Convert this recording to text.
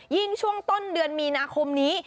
ยิ่งช่วงต้นเดือนมีนาคมนี้